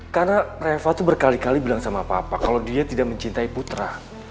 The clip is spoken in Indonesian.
karena reva tuh berkali kali bilang sama papa kalau dia tidak mencintai putra